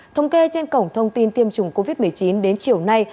thống kê trên cổng thông tin tiêm chủng covid một mươi chín đến chiều nay